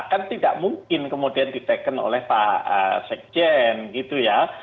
kan tidak mungkin kemudian diteken oleh pak sekjen gitu ya